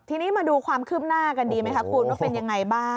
ทีนี้มาดูความคืบหน้ากันดีไหมคะคุณว่าเป็นยังไงบ้าง